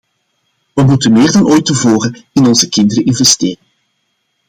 We moeten meer dan ooit tevoren in onze kinderen investeren.